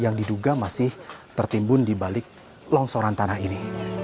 yang diduga masih tertimbun di balik longsoran tanah ini